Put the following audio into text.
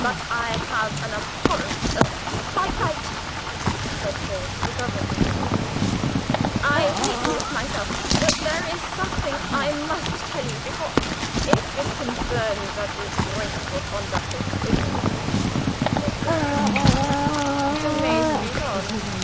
But I have an abhorrence of " "Quite right," said Paul, recovering himself; "I hate waste myself, but there is something I must tell you before " "If it concerns that disgraceful conduct of Coker's," said the Doctor, "you may speak on.